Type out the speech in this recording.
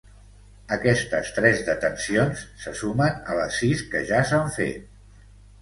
Aquestes tres detencions se sumen a les sis que ja s’han fet.